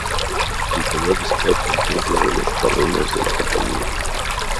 El robot escapa entonces de los terrenos de la compañía.